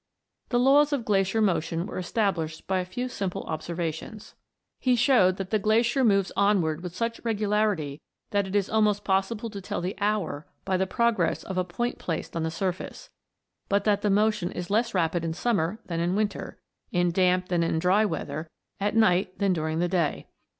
The laws of glacier motion were established by a few simple observations. He showed that the glacier moves onward with sxich regularity that it is almost possi ble to tell the hour by the progress of a point placed on the surface; but that the motion is less rapid in summer than in winter, in damp than in dry weather, at night than during the day.